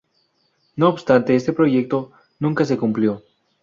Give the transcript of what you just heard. No obstante, este proyecto nunca se cumplió.